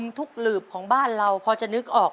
ทุกหลืบของบ้านเราพอจะนึกออก